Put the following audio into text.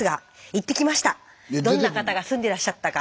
どんな方が住んでらっしゃったか。